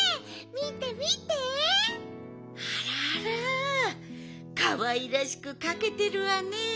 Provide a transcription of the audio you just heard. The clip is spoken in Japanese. あらあらかわいらしくかけてるわね。